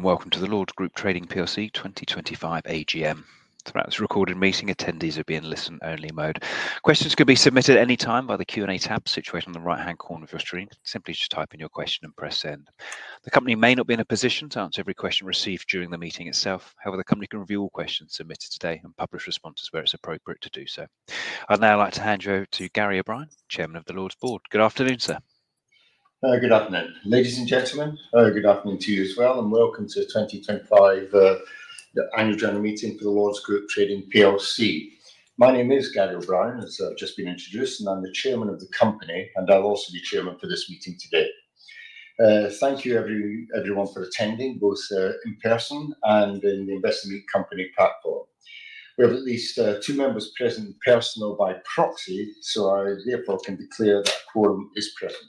Welcome to the Lords Group Trading PLC 2025 AGM. Throughout this recorded meeting, attendees will be in listen-only mode. Questions can be submitted at any time by the Q&A tab situated on the right-hand corner of your screen. Simply just type in your question and press send. The company may not be in a position to answer every question received during the meeting itself. However, the company can review all questions submitted today and publish responses where it's appropriate to do so. I'd now like to hand you over to Gary O'Brien, Chairman of the Lords Board. Good afternoon, sir. Good afternoon, ladies and gentlemen. Good afternoon to you as well, and welcome to the 2025 Annual General Meeting for the Lords Group Trading. My name is Gary O'Brien, as I've just been introduced, and I'm the Chairman of the company, and I'll also be Chairman for this meeting today. Thank you, everyone, for attending, both in person and in the Investor Meet Company platform. We have at least two members present in person or by proxy, so I therefore can declare that quorum is present.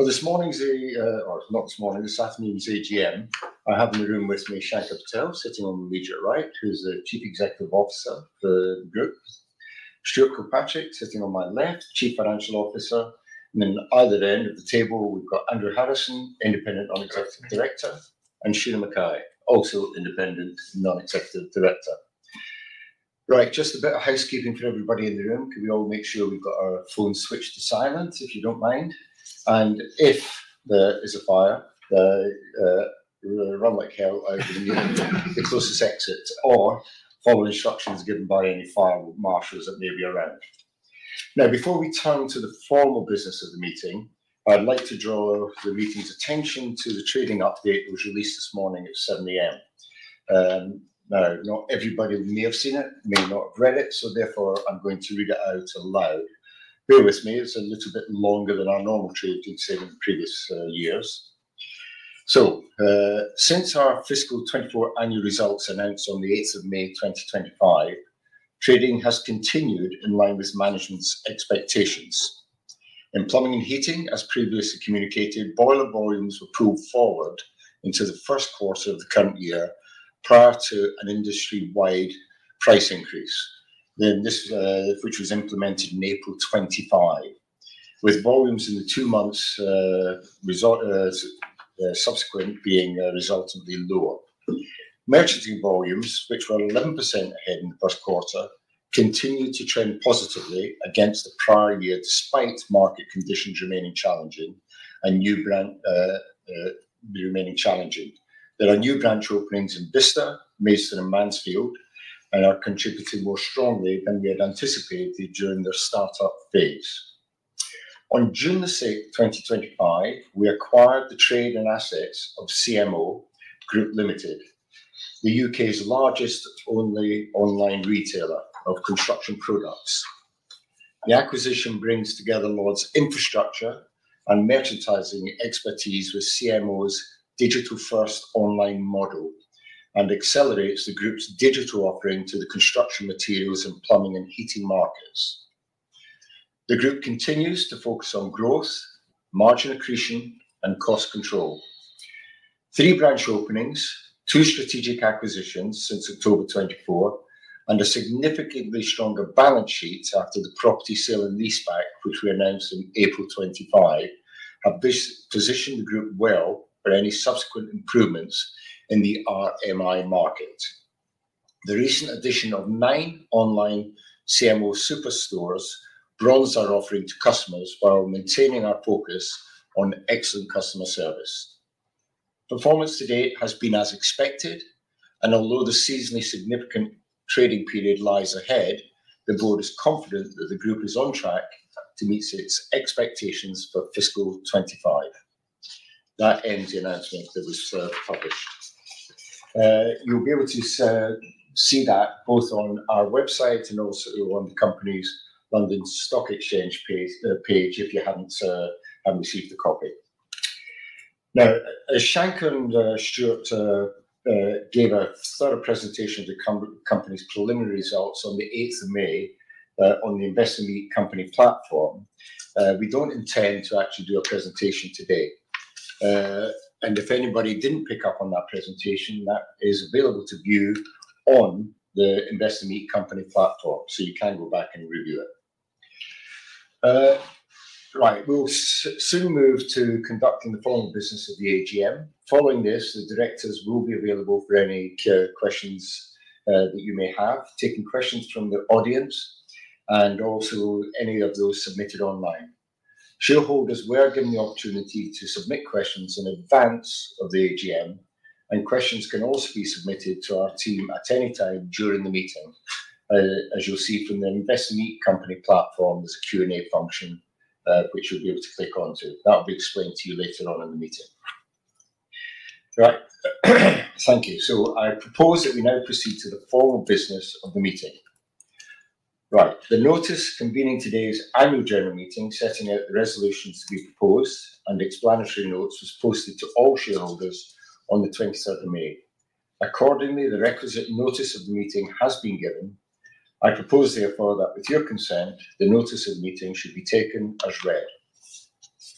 For this morning's—or not this morning, this afternoon's AGM, I have in the room with me Shanker Patel, sitting on the leader right, who's the Chief Executive Officer for the Group; Stuart Kilpatrick, sitting on my left, Chief Financial Officer. Then either end of the table, we've got Andrew Harrison, Independent Non-Executive Director, and Sheena Mackay, also Independent Non-Executive Director. Right, just a bit of housekeeping for everybody in the room. Can we all make sure we've got our phones switched to silent, if you don't mind? If there is a fire, run like hell over to the nearest exit or follow instructions given by any fire marshals that may be around. Now, before we turn to the formal business of the meeting, I'd like to draw the meeting's attention to the trading update that was released this morning at 7:00 A.M. Not everybody may have seen it, may not have read it, so therefore I'm going to read it out aloud. Bear with me, it's a little bit longer than our normal trading session in previous years. Since our fiscal 2024 annual results announced on the 8th of May 2025, trading has continued in line with management's expectations. In plumbing and heating, as previously communicated, boiler volumes were pulled forward into the first quarter of the current year prior to an industry-wide price increase, which was implemented in April 2025, with volumes in the two months subsequent being resultantly lower. Merchanting volumes, which were 11% ahead in the first quarter, continue to trend positively against the prior year despite market conditions remaining challenging and new branch openings in Bristow, Maidstone, and Mansfield, and are contributing more strongly than we had anticipated during the startup phase. On June 6, 2025, we acquired the trade and assets of CMO Group Limited, the U.K.'s largest online retailer of construction products. The acquisition brings together Lords' infrastructure and merchandising expertise with CMO's digital-first online model and accelerates the Group's digital offering to the construction materials and plumbing and heating markets. The Group continues to focus on growth, margin accretion, and cost control. Three branch openings, two strategic acquisitions since October 2024, and a significantly stronger balance sheet after the property sale and leaseback, which we announced in April 2025, have positioned the Group well for any subsequent improvements in the RMI market. The recent addition of nine online CMO superstores broadens our offering to customers while maintaining our focus on excellent customer service. Performance to date has been as expected, and although the seasonally significant trading period lies ahead, the Board is confident that the Group is on track to meet its expectations for fiscal 2025. That ends the announcement that was published. You'll be able to see that both on our website and also on the company's London Stock Exchange page if you haven't received a copy. Now, as Shanker and Stuart gave a thorough presentation of the company's preliminary results on the 8th of May on the Investor Meet Company platform, we do not intend to actually do a presentation today. If anybody did not pick up on that presentation, that is available to view on the Investor Meet Company platform, so you can go back and review it. Right, we will soon move to conducting the formal business of the AGM. Following this, the directors will be available for any questions that you may have, taking questions from the audience and also any of those submitted online. Shareholders were given the opportunity to submit questions in advance of the AGM, and questions can also be submitted to our team at any time during the meeting. As you will see from the Investor Meet Company platform, there is a Q&A function which you will be able to click onto. That'll be explained to you later on in the meeting. Right, thank you. I propose that we now proceed to the formal business of the meeting. Right, the notice convening today's annual general meeting, setting out the resolutions to be proposed and explanatory notes, was posted to all shareholders on the 27th of May. Accordingly, the requisite notice of the meeting has been given. I propose, therefore, that with your consent, the notice of the meeting should be taken as read.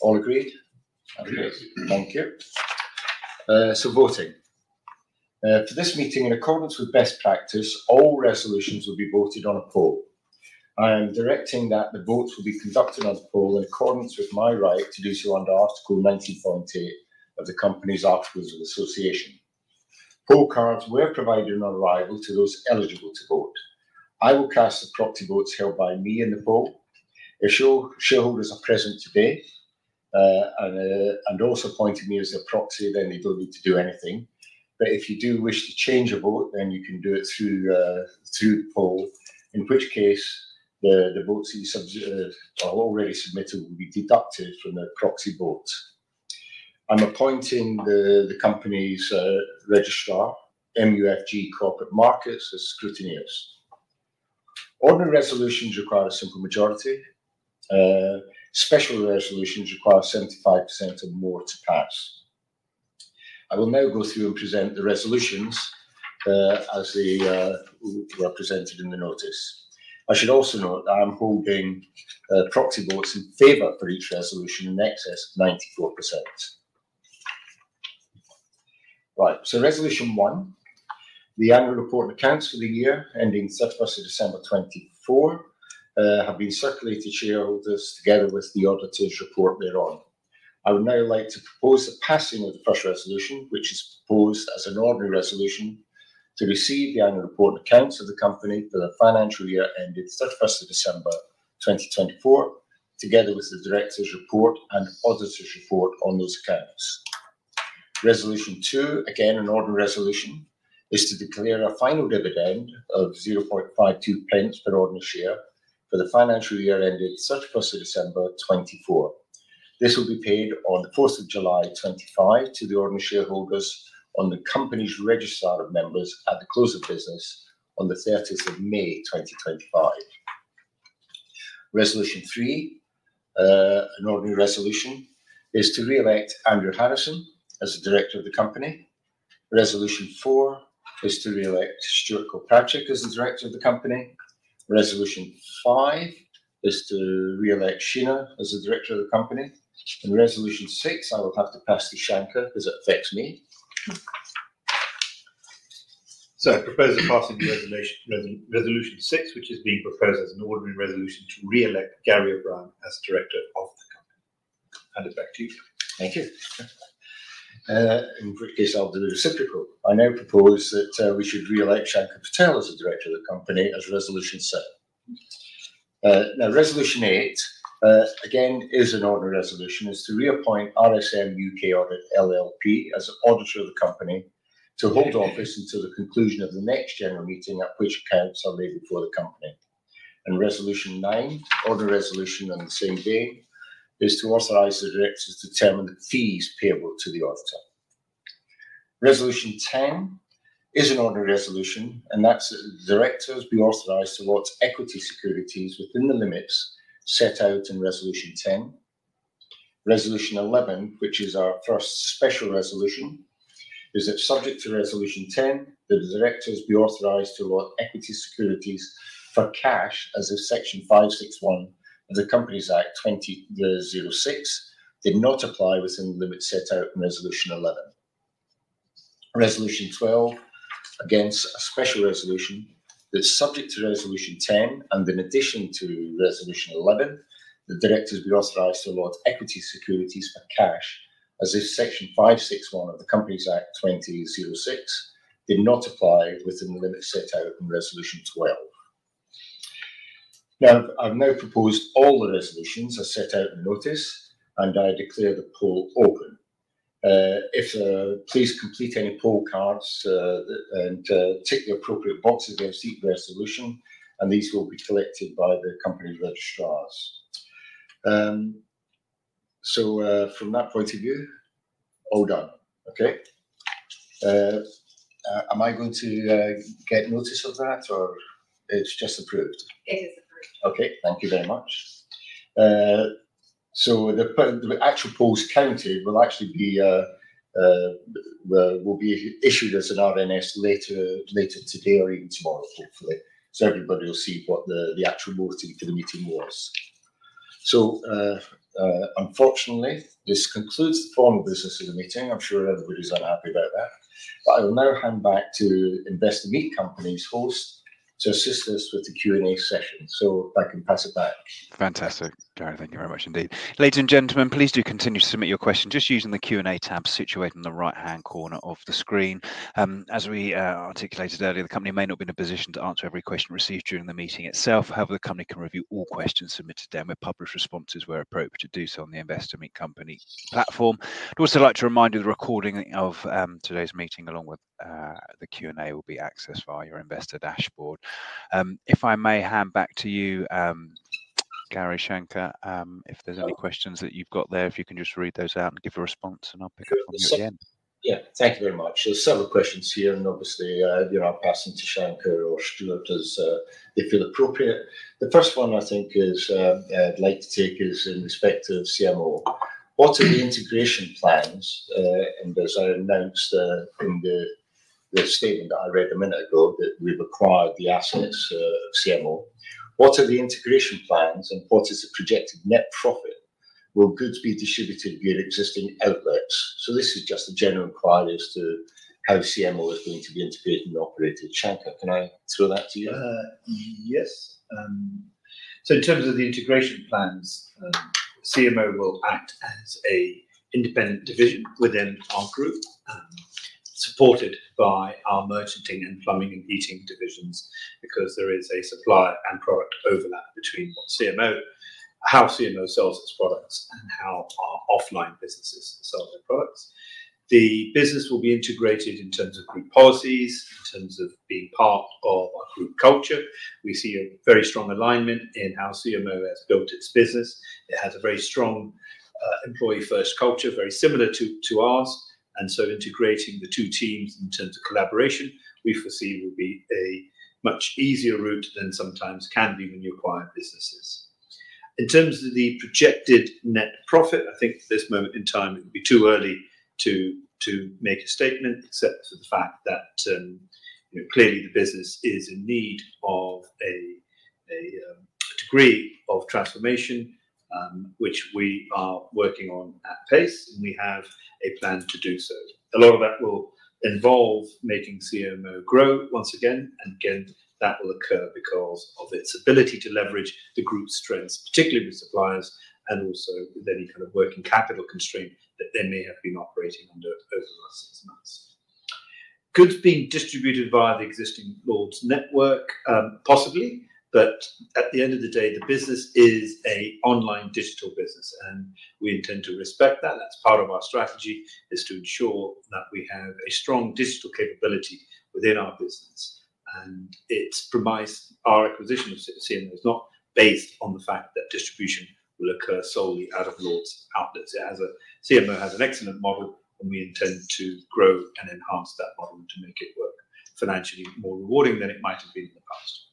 All agreed? Yes. Thank you. Voting. For this meeting, in accordance with best practice, all resolutions will be voted on a poll. I am directing that the votes will be conducted on the poll in accordance with my right to do so under Article 19.8 of the Company's Articles of Association. Poll cards were provided on arrival to those eligible to vote. I will cast the proxy votes held by me in the poll. If shareholders are present today and also appoint me as a proxy, then they do not need to do anything. If you do wish to change a vote, then you can do it through the poll, in which case the votes you are already submitting will be deducted from the proxy votes. I am appointing the company's registrar, MUFG Corporate Markets, as scrutineers. Ordinary resolutions require a simple majority. Special resolutions require 75% or more to pass. I will now go through and present the resolutions as they were presented in the notice. I should also note that I'm holding proxy votes in favor for each resolution in excess of 94%. Right, so Resolution One, the Annual Report of Accounts for the year ending 31st of December 2024, have been circulated to shareholders together with the auditor's report later on. I would now like to propose the passing of the first resolution, which is proposed as an ordinary resolution to receive the Annual Report of Accounts of the company for the financial year ended 31st of December 2024, together with the director's report and auditor's report on those accounts. Resolution Two, again an ordinary resolution, is to declare a final dividend of 0.52 per ordinary share for the financial year ended 31st of December 2024. This will be paid on the 4th of July 2025 to the ordinary shareholders on the company's registrar of members at the close of business on the 30th of May 2025. Resolution Three, an ordinary resolution, is to re-elect Andrew Harrison as the director of the company. Resolution Four is to re-elect Stuart Kilpatrick as the director of the company. Resolution Five is to re-elect Sheena as the director of the company. Resolution Six, I will have to pass to Shanker because it affects me. I propose the passing of Resolution Six, which is being proposed as an ordinary resolution to re-elect Gary O'Brien as director of the company. Hand it back to you. Thank you. In particular, I'll do the reciprocal. I now propose that we should re-elect Shanker Patel as the director of the company as Resolution Seven. Resolution Eight, again, is an ordinary resolution, is to reappoint RSM UK Audit LLP as an auditor of the company to hold office until the conclusion of the next general meeting at which accounts are labeled for the company. Resolution Nine, ordinary resolution on the same day, is to authorize the directors to determine the fees payable to the auditor. Resolution Ten is an ordinary resolution, and that's that the directors be authorized to allot equity securities within the limits set out in Resolution Ten. Resolution Eleven, which is our first special resolution, is that subject to Resolution Ten, the directors be authorized to allot equity securities for cash as if Section 561 of the Companies Act 2006 did not apply within the limits set out in Resolution Eleven. Resolution Twelve, again, is a special resolution that's subject to Resolution Ten, and in addition to Resolution Eleven, the directors be authorized to allot equity securities for cash as if Section 561 of the Companies Act 2006 did not apply within the limits set out in Resolution Twelve. Now, I've now proposed all the resolutions as set out in the notice, and I declare the poll open. If so, please complete any poll cards and tick the appropriate boxes in the seat resolution, and these will be collected by the company registrars. From that point of view, all done. Okay. Am I going to get notice of that, or it's just approved? It is approved. Okay. Thank you very much. The actual polls counted will actually be issued as an RNS later today or even tomorrow, hopefully. Everybody will see what the actual voting for the meeting was. Unfortunately, this concludes the formal business of the meeting. I'm sure everybody's unhappy about that. I will now hand back to Investment Company's host to assist us with the Q&A session. If I can pass it back. Fantastic. Gary, thank you very much indeed. Ladies and gentlemen, please do continue to submit your questions just using the Q&A tab situated in the right-hand corner of the screen. As we articulated earlier, the company may not be in a position to answer every question received during the meeting itself. However, the company can review all questions submitted there and we'll publish responses where appropriate to do so on the Investor Meet Company platform. I'd also like to remind you the recording of today's meeting along with the Q&A will be accessed via your investor dashboard. If I may hand back to you, Gary. Shanker, if there's any questions that you've got there, if you can just read those out and give a response and I'll pick up from you at the end. Yeah, thank you very much. There are several questions here, and obviously, I'll pass them to Shanker or Stuart if it's appropriate. The first one I think I'd like to take is in respect of CMO. What are the integration plans? As I announced in the statement that I read a minute ago, we've acquired the assets of CMO. What are the integration plans and what is the projected net profit? Will goods be distributed via existing outlets? This is just a general inquiry as to how CMO is going to be integrated and operated. Shanker, can I throw that to you? Yes. In terms of the integration plans, CMO will act as an independent division within our group, supported by our merchanting and plumbing and heating divisions because there is a supply and product overlap between how CMO sells its products and how our offline businesses sell their products. The business will be integrated in terms of group policies, in terms of being part of our group culture. We see a very strong alignment in how CMO has built its business. It has a very strong employee-first culture, very similar to ours. Integrating the two teams in terms of collaboration, we foresee will be a much easier route than sometimes can be when you acquire businesses. In terms of the projected net profit, I think at this moment in time, it would be too early to make a statement except for the fact that clearly the business is in need of a degree of transformation, which we are working on at pace, and we have a plan to do so. A lot of that will involve making CMO grow once again, and again, that will occur because of its ability to leverage the group's strengths, particularly with suppliers and also with any kind of working capital constraint that they may have been operating under over the last six months. Goods being distributed via the existing Lords Network, possibly, but at the end of the day, the business is an online digital business, and we intend to respect that. That is part of our strategy, is to ensure that we have a strong digital capability within our business. Its premise, our acquisition of CMO, is not based on the fact that distribution will occur solely out of Lords outlets. CMO has an excellent model, and we intend to grow and enhance that model and to make it work financially more rewarding than it might have been in the past.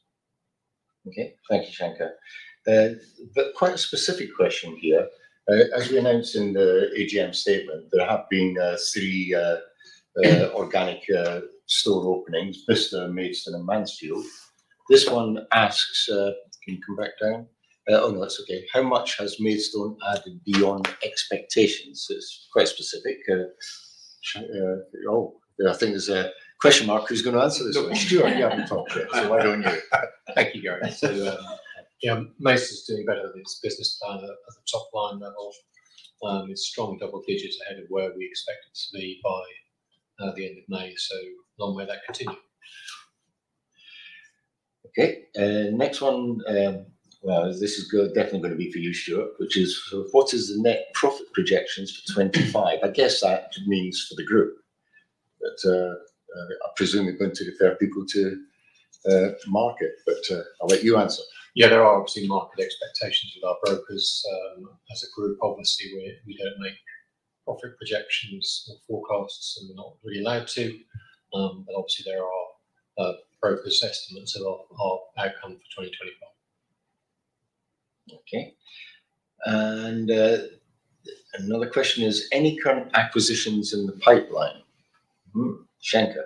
Okay. Thank you, Shanker. Quite a specific question here. As we announced in the AGM statement, there have been three organic store openings, Bristow, Maidstone, and Mansfield. This one asks, can you come back down? Oh, no, that's okay. How much has Maidstone added beyond expectations? It's quite specific. Oh, I think there's a question mark. Who's going to answer this one? Stuart, you haven't answered it, so why don't you? Thank you, Gary. Yeah, Maidstone is doing better than its business plan at the top line level. It's strong double digits ahead of where we expect it to be by the end of May, so long may that continue. Okay. Next one, this is definitely going to be for you, Stuart, which is what is the net profit projections for 2025? I guess that means for the group, but I presume you're going to defer people to market, but I'll let you answer. Yeah, there are obviously market expectations with our brokers. As a group, obviously, we don't make profit projections or forecasts, and we're not really allowed to. Obviously, there are broker's estimates of our outcome for 2025. Okay. Another question is, any current acquisitions in the pipeline? Shanker?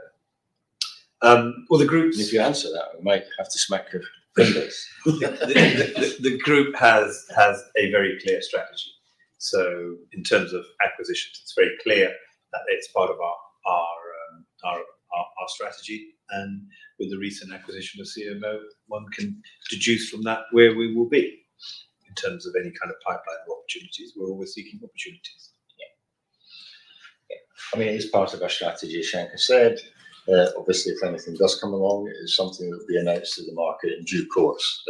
The group. If you answer that, we might have to smack your fingers. The group has a very clear strategy. In terms of acquisitions, it's very clear that it's part of our strategy. With the recent acquisition of CMO, one can deduce from that where we will be in terms of any kind of pipeline of opportunities. We're always seeking opportunities. Yeah. Yeah. I mean, it is part of our strategy, as Shanker said. Obviously, if anything does come along, it's something that will be announced to the market in due course.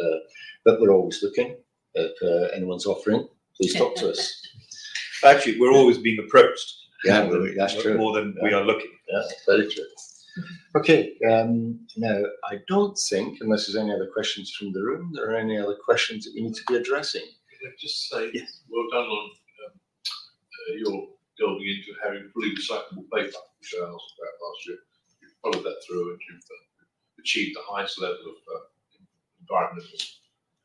We're always looking at anyone's offering. Please talk to us. Actually, we're always being approached. Yeah, that's true. More than we are looking. Yeah, very true. Okay. Now, I don't think, unless there's any other questions from the room, there are any other questions that we need to be addressing. Just say well done on your delving into having fully recyclable paper, which I asked about last year. You have followed that through, and you have achieved the highest level of environmental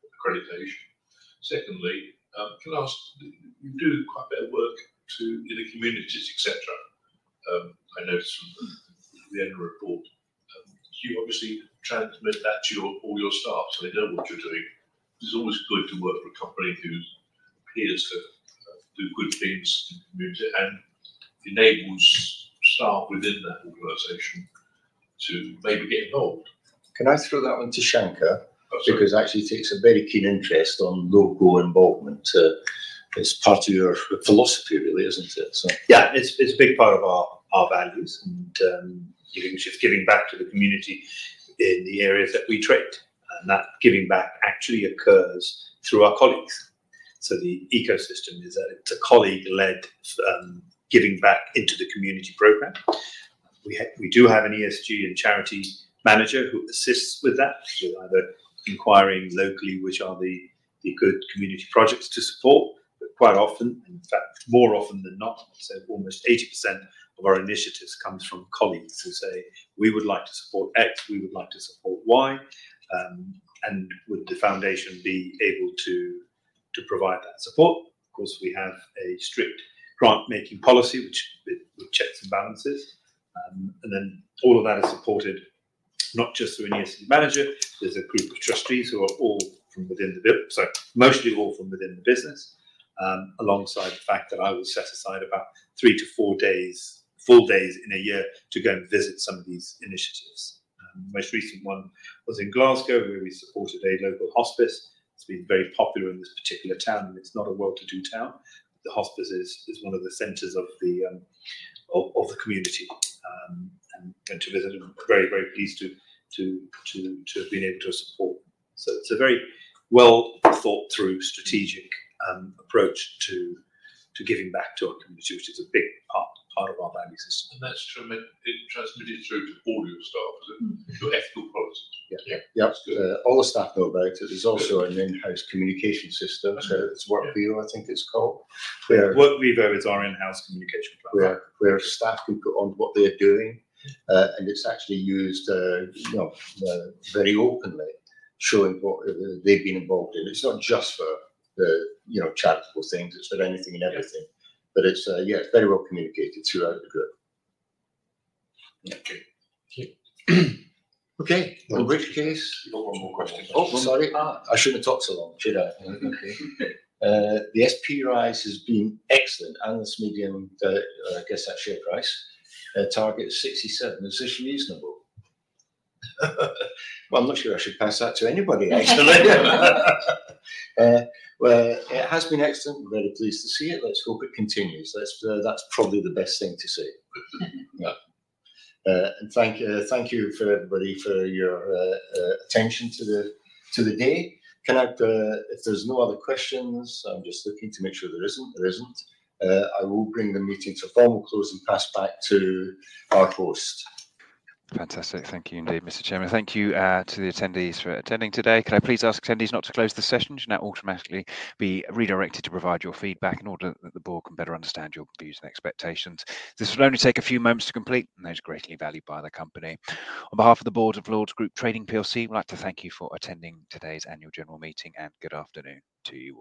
accreditation. Secondly, can I ask, you do quite a bit of work in the communities, etc.? I noticed from the Annual Report, you obviously transmit that to all your staff, so they know what you are doing. It is always good to work for a company who appears to do good things in the community and enables staff within that organization to maybe get involved. Can I throw that one to Shanker? Absolutely. Because actually, it takes a very keen interest on local involvement. It's part of your philosophy, really, isn't it? Yeah, it's a big part of our values, and you think it's just giving back to the community in the areas that we trade. That giving back actually occurs through our colleagues. The ecosystem is that it's a colleague-led giving back into the community program. We do have an ESG and charity manager who assists with that, with either inquiring locally which are the good community projects to support. Quite often, in fact, more often than not, almost 80% of our initiatives comes from colleagues who say, "We would like to support X. We would like to support Y." Would the foundation be able to provide that support? Of course, we have a strict grant-making policy, with checks and balances. All of that is supported not just through an ESG manager. There's a group of trustees who are all from within the BIP, so mostly all from within the business, alongside the fact that I will set aside about three to four days in a year to go and visit some of these initiatives. Most recent one was in Glasgow, where we supported a local hospice. It's been very popular in this particular town. It's not a well-to-do town. The hospice is one of the centers of the community. I went to visit and very, very pleased to have been able to support. It is a very well-thought-through strategic approach to giving back to our community, which is a big part of our value system. That's transmitted through to all your staff, is it? Your ethical policies? Yeah. Yeah. All the staff know about it. There's also an in-house communication system. It's WorkView, I think it's called. WorkView is our in-house communication platform. Yeah. Where staff can put on what they're doing, and it's actually used very openly, showing what they've been involved in. It's not just for charitable things. It's for anything and everything. It is very well communicated throughout the group. Okay. Okay. In which case? You've got one more question. Oh, sorry. I shouldn't have talked so long, should I? Okay. The SPRI has been excellent. Analyst Medium guessed that share price. Target 67. It's just reasonable. I'm not sure I should pass that to anybody, actually. It has been excellent. We're very pleased to see it. Let's hope it continues. That's probably the best thing to see. Yeah. Thank you for everybody for your attention to the day. If there's no other questions, I'm just looking to make sure there isn't. There isn't. I will bring the meeting to a formal close and pass back to our host. Fantastic. Thank you indeed, Mr. Chairman. Thank you to the attendees for attending today. Can I please ask attendees not to close the session? It should now automatically be redirected to provide your feedback in order that the board can better understand your views and expectations. This will only take a few moments to complete, and those are greatly valued by the company. On behalf of the Board of Lords Group Trading, we'd like to thank you for attending today's Annual General Meeting, and good afternoon to you.